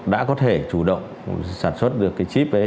đã có thể chủ động sản xuất được cái chip ấy